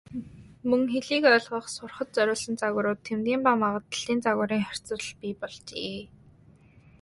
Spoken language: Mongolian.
Мөн хэлийг ойлгох, сурахад зориулсан загварууд, тэмдгийн ба магадлалын загварын харьцуулал бий болжээ.